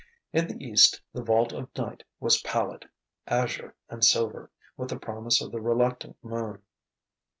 In the east the vault of night was pallid, azure and silver, with the promise of the reluctant moon.